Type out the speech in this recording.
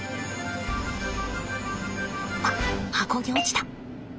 あっ箱に落ちた。